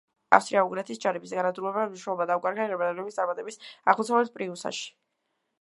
ავსტრია-უნგრეთის ჯარების განადგურებამ მნიშვნელობა დაუკარგა გერმანელების წარმატებებს აღმოსავლეთ პრუსიაში.